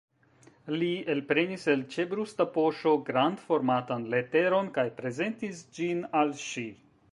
Li elprenis el ĉebrusta poŝo grandformatan leteron kaj prezentis ĝin al ŝi.